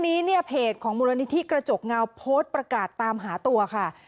นี้เนี่ยเพจของมูลนิธิกระจกเงาโพสต์ประกาศตามหาตัวค่ะ